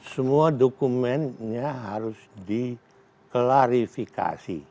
semua dokumennya harus diklarifikasi